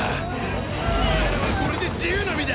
お前らはこれで自由の身だ！